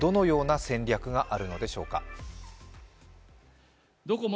どのような戦略があるのでしょうか。